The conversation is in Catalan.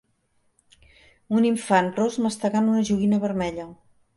Un infant ros mastegant una joguina vermella.